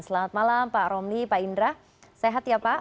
selamat malam pak romli pak indra sehat ya pak